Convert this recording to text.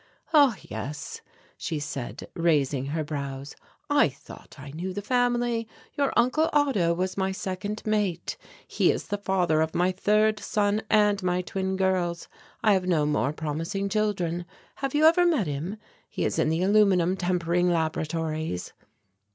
"Ah, yes," she said, raising her brows. "I thought I knew the family. Your Uncle Otto was my second mate. He is the father of my third son and my twin girls. I have no more promising children. Have you ever met him? He is in the aluminum tempering laboratories."